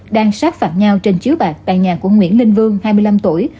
đang sát phạt nhau trên chiếu bạc tại nhà của nguyễn linh vương hai mươi năm tuổi